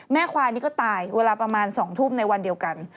ควายนี่ก็ตายเวลาประมาณ๒ทุ่มในวันเดียวกัน